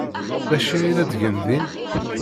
D acu ay la ttgen din?